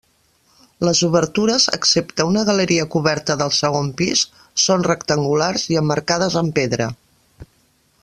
Les obertures, excepte una galeria coberta del segon pis, són rectangulars i emmarcades amb pedra.